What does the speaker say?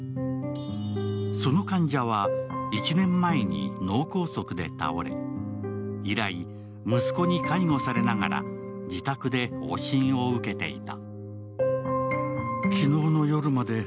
その患者は１年前に脳梗塞で倒れ以来、息子に介護されながら自宅で往診を受けていた。